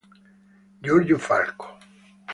Giorgio Falco